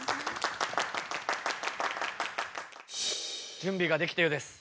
準備ができたようです。